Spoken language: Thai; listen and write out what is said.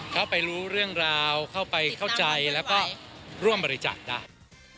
เข้าไปรู้เรื่องราวเข้าไปเข้าใจแล้วก็ร่วมบริจาคได้